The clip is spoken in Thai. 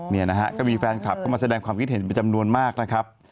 นี่นะฮะก็มีแฟนคลับเข้ามาแสดงความคิดเห็นเป็นจำนวนมากนะครับ